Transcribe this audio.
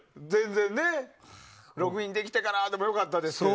ログインできてからでも良かったですし。